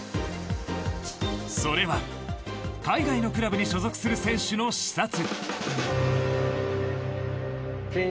それは、海外のクラブに所属する選手の視察。